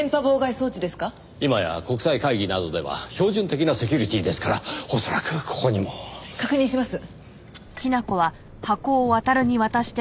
今や国際会議などでは標準的なセキュリティーですから恐らくここにも。確認します。